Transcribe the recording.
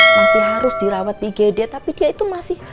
masih harus dirawat di igd tapi dia itu masih